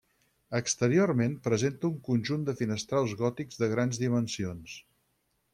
Exteriorment presenta un conjunt de finestrals gòtics de grans dimensions.